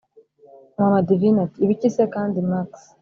mama divine ati: ibiki se kandi max!’